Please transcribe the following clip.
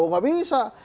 oh gak bisa